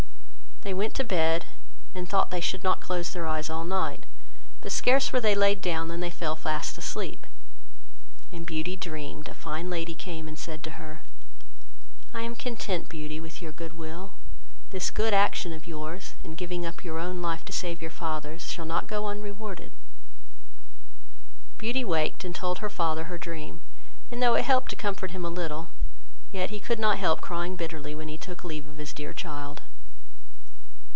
They went to bed, and thought they should not close their eyes all night; but scarce were they laid down, than they fell fast asleep; and Beauty dreamed, a fine lady came, and said to her, "I am content, Beauty, with your good will; this good action of yours, in giving up your own life to save your father's, shall not go unrewarded." Beauty waked, and told her father her dream, and though it helped to comfort him a little, yet he could not help crying bitterly, when he took leave of his dear child.